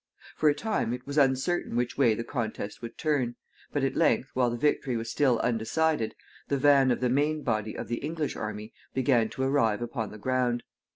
For a time it was uncertain which way the contest would turn, but at length, while the victory was still undecided, the van of the main body of the English army began to arrive upon the ground.